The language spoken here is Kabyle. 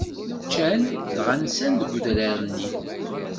Ččan, dɣa nsan deg udrar-nni.